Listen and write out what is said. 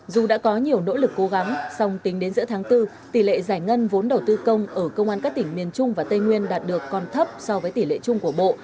dù đã có nhiều nỗ lực cố gắng song tính đến giữa tháng bốn tỷ lệ giải ngân vốn đầu tư công ở công an các tỉnh miền trung và tây nguyên đạt được còn thấp so với tỷ lệ chung của bộ